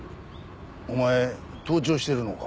お前盗聴してるのか？